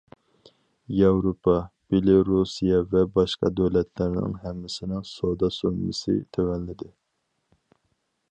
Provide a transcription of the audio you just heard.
ياۋروپا، بېلورۇسىيە ۋە باشقا دۆلەتلەرنىڭ ھەممىسىنىڭ سودا سوممىسى تۆۋەنلىدى.